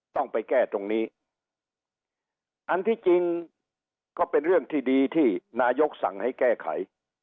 ต้องไปแก้ตรงนี้อันที่จริงก็เป็นเรื่องที่ดีที่นายกสั่งให้แก้ไข